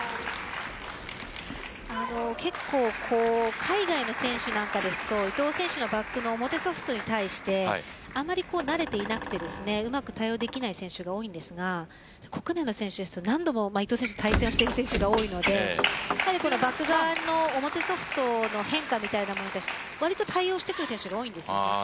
結構、海外の選手ですと伊藤選手のバックの表ソフトに対してあまり慣れていなくてうまく対応できない選手が多いので国内の選手ですと何度も伊藤選手と対戦してる選手が多いのでバック側の表ソフトの変化みたいなものですとかわりと対応してくる選手が多いです。